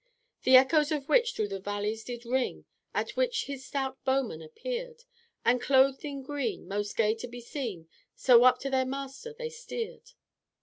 "The echoes of which through the valleys did ring, At which his stout bowmen appeared, And clothed in green, most gay to be seen, So up to their master they steered."